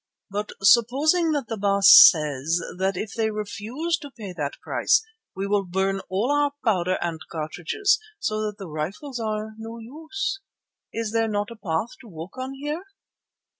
And supposing that the Baas says that if they refuse to pay that price we will burn all our powder and cartridges so that the rifles are no use? Is there not a path to walk on here?"